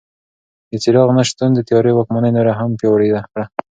د څراغ نه شتون د تیارې واکمني نوره هم پیاوړې کړه.